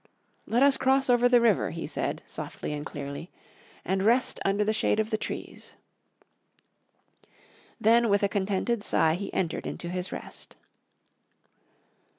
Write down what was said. "Let us cross over the river," he said, softly and clearly, "and rest under the shade of the trees." Then with a contented sight he entered into his rest.